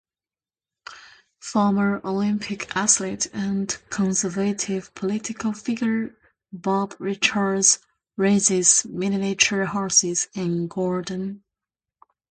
Former Olympic athlete and conservative political figure Bob Richards raises miniature horses in Gordon.